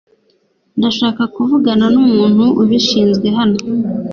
Ndashaka kuvugana numuntu ubishinzwe hano .